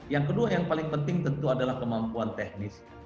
yang kedua yang paling penting tentu adalah kemampuan teknis